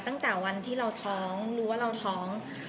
ตั้งแต่วันที่เราท้องรู้ว่าเราท้อง